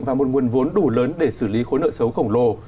và một nguồn vốn đủ lớn để xử lý khối nợ xấu khổng lồ